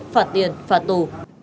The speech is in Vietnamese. phạt tiền phạt tù